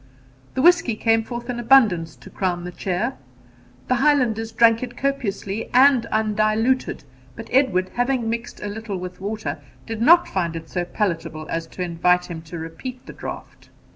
The whisky came forth in abundance to crown the cheer. The Highlanders drank it copiously and undiluted; but Edward, having mixed a little with water, did not find it so palatable as to invite him to repeat the draught.